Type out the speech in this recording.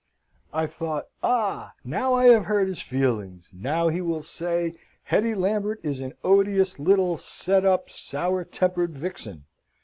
I thought, ah! now I have hurt his feelings! Now he will say, Hetty Lambert is an odious little set up, sour tempered vixen.